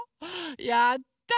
やった！